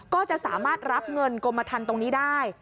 ก็จะสามารถรับเงินกรมทันตรงนี้ได้